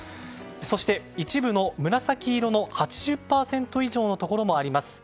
そして一部の紫色の８０％以上のところもあります。